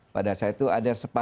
pada saat itu ada